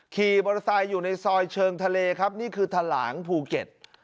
ขี่มอเตอร์ไซค์อยู่ในซอยเชิงทะเลครับนี่คือทะหลางภูเก็ต